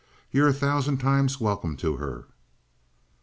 "You're a thousand times welcome to her."